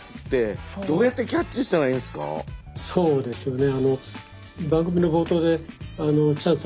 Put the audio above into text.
そうですよね